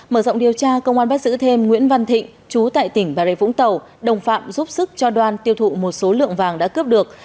mở rộng điều tra công an bắt giữ thêm nguyễn văn thịnh chú tại tỉnh bà rê vũng tàu đồng phạm giúp sức cho đoan tiêu thụ một số lượng vàng đã cướp được